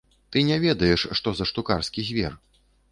Ты не ведаеш, што за штукарскі звер.